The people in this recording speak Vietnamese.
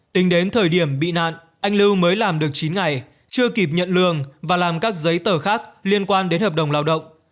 tính đến thời điểm bị nạn anh lưu mới làm được chín ngày chưa kịp nhận lương và làm các giấy tờ khác liên quan đến hợp đồng lao động